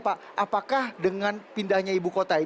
pak apakah dengan pindahnya ibu kota ini